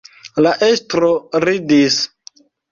La estro ridis.